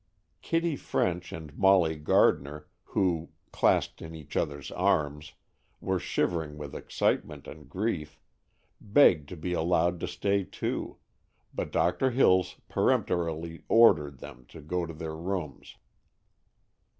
Kitty French and Molly Gardner, who, clasped in each other's arms, were shivering with excitement and grief, begged to be allowed to stay, too, but Doctor Hills peremptorily ordered them to go to their rooms.